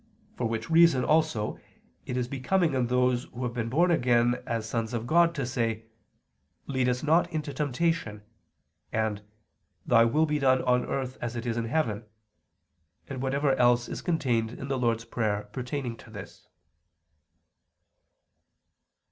For which reason also it is becoming in those who have been born again as sons of God, to say: "Lead us not into temptation," and "Thy Will be done on earth as it is in heaven," and whatever else is contained in the Lord's Prayer pertaining to this.